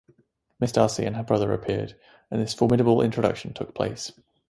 Miss Darcy and her brother appeared, and this formidable introduction took place.